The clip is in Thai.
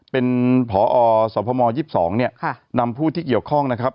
เป็นผอสพม๒๒เนี่ยนำผู้ที่เกี่ยวข้องนะครับ